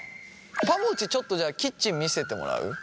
ぱもちちょっとじゃあキッチン見せてもらう？